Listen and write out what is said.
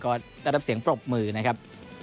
ก็ได้รับเสียงปรบมือนะครับ